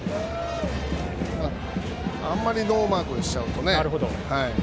あまりノーマークにしちゃうとね。